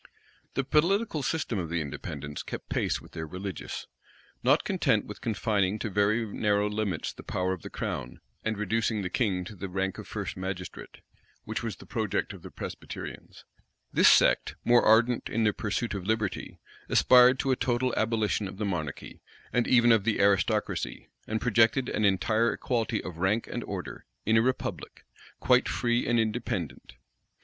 The political system of the Independents kept pace with their religious. Not content with confining to very narrow limits the power of the crown, and reducing the king to the rank of first magistrate, which was the project of the Presbyterians, this sect, more ardent in the pursuit of liberty, aspired to a total abolition of the monarchy, and even of the aristocracy, and projected an entire equality of rank and order, in a republic, quite free and independent.